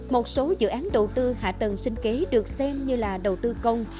một số dự án đầu tư hạ tầng sinh kế được xem như là đầu tư công